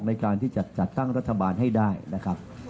ในการที่จะจัดตั้งรัฐบาลให้ได้นะครับ